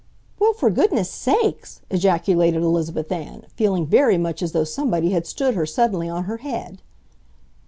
"Well, for goodness' SAKES!" ejaculated Elizabeth Ann, feeling very much as though somebody had stood her suddenly on her head.